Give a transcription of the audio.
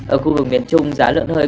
ở khu vực miền trung giá lợn hơi